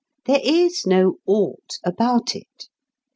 There is no "ought" about it.